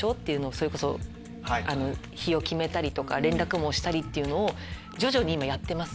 それこそ日を決めたりとか連絡したりっていうのを徐々に今やってます。